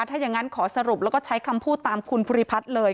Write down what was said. ถ้าอย่างนั้นขอสรุปแล้วก็ใช้คำพูดตามคุณภูริพัฒน์เลย